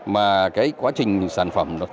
mà cái quá trình sản phẩm